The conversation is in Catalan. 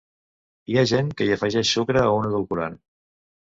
Hi ha gent que hi afegeix sucre o un edulcorant.